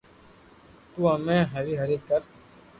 تو ھمي ھري ھري ڪر